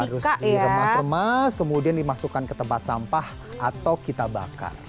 harus diremas remas kemudian dimasukkan ke tempat sampah atau kita bakar